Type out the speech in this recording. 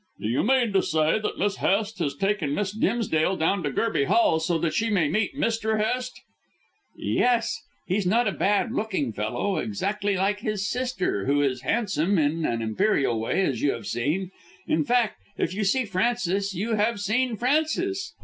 "Do you mean to say that Miss Hest has taken Miss Dimsdale down to Gerby Hall so that she may meet Mr. Hest?" "Yes. He's not a bad looking fellow: exactly like his sister, who is handsome in an imperial way, as you have seen. In fact, if you see Frances you have seen Francis.